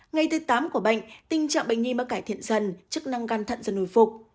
ngày thứ tám của bệnh tình trạng bệnh nhi đã cải thiện dần chức năng gan thận dần hồi phục